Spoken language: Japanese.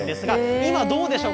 今はどうでしょうか。